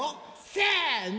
せの！